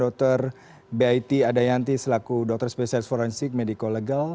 dr baiti adayanti selaku dr specialist forensik medico legal